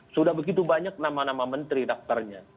sudah begitu banyak nama nama menteri daftarnya